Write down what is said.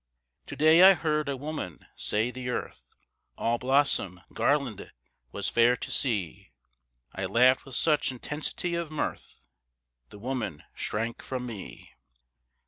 To day I heard a woman say the earth, All blossom garlanded, was fair to see. I laughed with such intensity of mirth, The woman shrank from me.